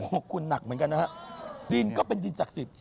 ขอบคุณหนักเหมือนกันนะฮะดินก็เป็นดินศักดิ์สิทธิ